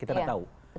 kita nggak tahu